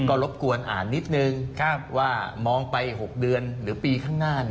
ก็รบกวนอ่านนิดหนึ่งครับว่ามองไปหกเดือนหรือปีข้างหน้าเนี้ย